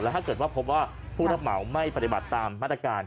ถ้าเกิดว่าพบว่าผู้รับเหมาไม่ปฏิบัติตามมาตรการ